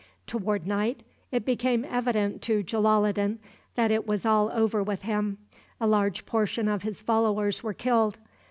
Toward night it became evident to Jalaloddin that it was all over with him. A large portion of his followers were killed.